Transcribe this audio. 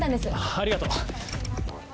ありがとう。